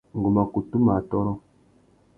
Ngu mà kutu mù atôrô.